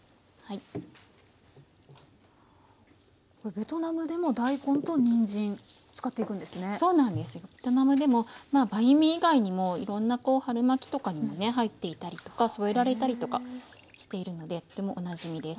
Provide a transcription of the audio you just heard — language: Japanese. ベトナムでもバインミー以外にもいろんなこう春巻きとかにもね入っていたりとか添えられたりとかしているのでとてもおなじみです。